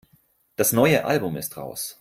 Das neue Album ist raus.